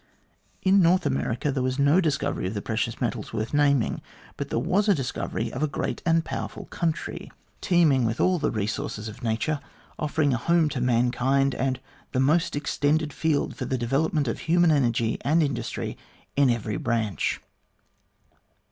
In North America there was no discovery of the precious metals worth naming, but there was a discovery of a great and powerful country, teeming A COtJPLE OF COLONIAL LECTURES 261 with all the resources of nature, offering a home to mankind, and the most extended field for the development of human energy and industry in every branch.